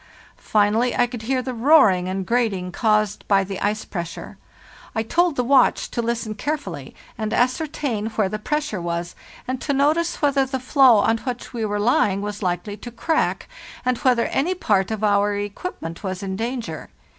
Finally, I could hear the roar ing and grating caused by the ice pressure. I told the watch to listen carefully, and ascertain where the press ure was, and to notice whether the floe on which we were lying was likely to crack, and whether any part of our equipment was in danger.